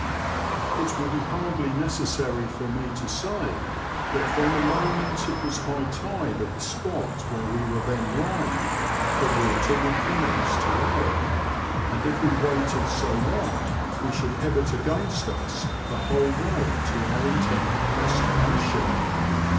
It will be hardly necessary for me to say that from the moment it was high tide at the spot where we were then lying the water would commence to ebb, and if we waited so long we should have it against us the whole way to our intended des tination.